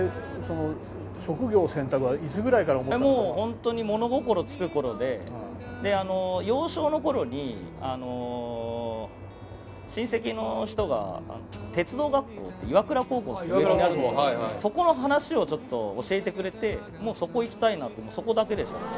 職業選択はいつぐらいから思もう本当に、物心つくころで、幼少のころに、親戚の人が、鉄道学校の岩倉高校って上野にある、そこの話をちょっと教えてくれて、もうそこ行きたいなって、そこだけでしたね。